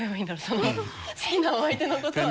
その好きなお相手のことは。